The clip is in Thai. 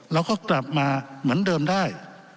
เราก็กลับมาเหมือนเดิมได้